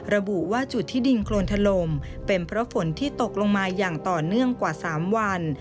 ระบุว่าจุดที่ดินโครนทะลมเป็นเพราะฝนที่ตกลงมาอย่างต่อเนื่องกว่า๓วัน